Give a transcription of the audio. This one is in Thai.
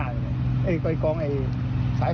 เร็วอ